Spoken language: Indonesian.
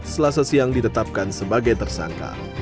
selasa siang ditetapkan sebagai tersangka